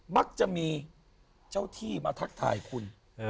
มักจะมีเจ้าที่มาทักทายคุณ